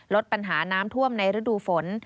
ลดปัญหาน้ำท่วมในฤดูฝน